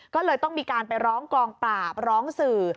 ก็เลยต้องมีการไปร้องกองปราบร้องสื่อ